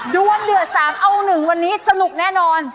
ดวงเดือด๓เอา๑วันนี้สนุกแน่นอน